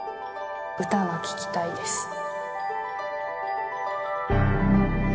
歌が聴きたいです